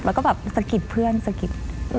แล้วก็แบบสะกิดเพื่อนสะกิด